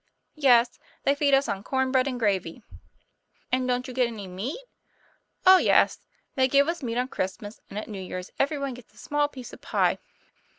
'Yes; they feed us on corn bread and gravy." " And don't you get any meat?" "Oh, yes! they give us meat on Christmas; and at New Years every one gets a small piece of pie."